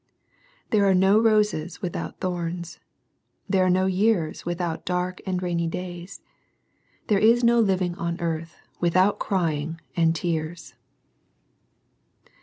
There are no roses withou I thorns. There are no years without dark anc ^ rainy days. There is no living on earth withou " crying " and tears.